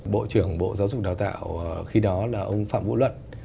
bộ trưởng bộ giáo dục đào tạo khi đó là ông phạm vũ luật